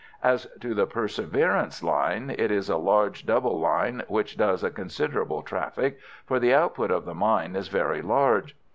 As to the Perseverance line, it is a large double line, which does a considerable traffic, for the output of the mine is very large.